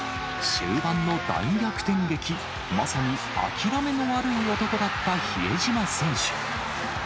終盤の大逆転劇、まさに諦めの悪い男だった比江島選手。